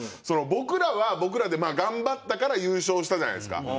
僕らは僕らでまあ頑張ったから優勝したじゃないですか。